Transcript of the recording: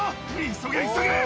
急げ急げ！